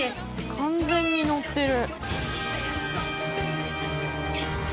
完全にのってる。